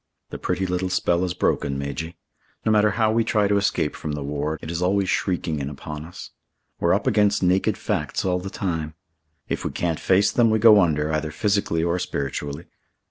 "The pretty little spell is broken, Majy. No matter how we try to escape from the war, it is always shrieking in upon us. We're up against naked facts all the time. If we can't face them we go under either physically or spiritually.